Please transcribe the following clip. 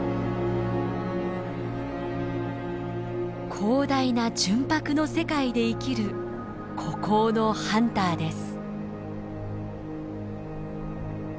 広大な純白の世界で生きる孤高のハンターです。